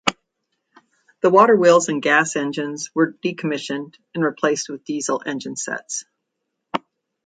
The water wheels and gas engines were decommissioned and replaced with diesel engine sets.